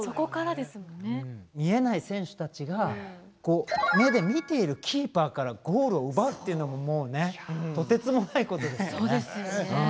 見えない選手たちが目で見ているキーパーからゴールを奪うっていうのもとてつもないことですからね。